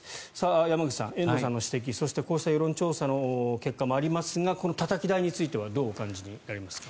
山口さん、遠藤さんの指摘そしてこうした世論調査の結果もありますがこのたたき台についてはどうお感じになりますか？